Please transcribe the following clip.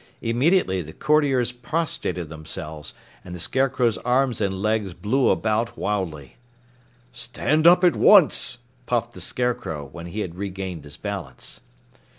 Immediately, the courtiers prostrated themselves, and the Scarecrow's arms and legs blew about wildly. "Stand up at once," puffed the Scarecrow when he had regained his balance.